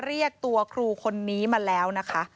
เรียกตัวครูคนนี้มาแล้วนะคะ